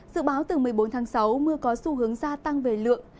dự báo từ một mươi bốn tháng sáu mưa có xu hướng gia tăng về lượng